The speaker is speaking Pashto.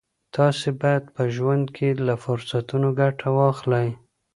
تاسي باید په ژوند کي له فرصتونو ګټه واخلئ.